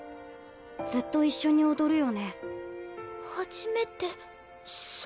ずっと一緒に踊るよね？